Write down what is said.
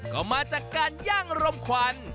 ก็มาจากการย่างรมควัน